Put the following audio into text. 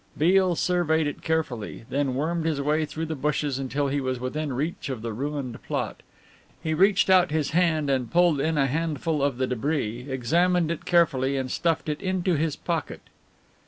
Beale surveyed it carefully, then wormed his way through the bushes until he was within reach of the ruined plot. He stretched out his hand and pulled in a handful of the debris, examined it carefully and stuffed it into his pocket.